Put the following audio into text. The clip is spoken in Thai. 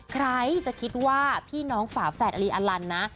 ใครจะคิดว่าพี่น้องฝาแฝดลีอลันนะ